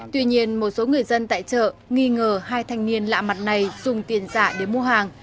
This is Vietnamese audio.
tuy nhiên một số người dân tại chợ nghi ngờ hai thanh niên lạ mặt này dùng tiền giả để mua hàng